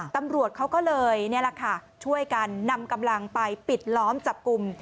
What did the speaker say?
ตำรวจเขาก็เลยช่วยกันนำกำลังไปปิดล้อมจับกุม